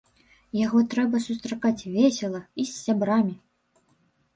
Яго трэба сустракаць весела і з сябрамі!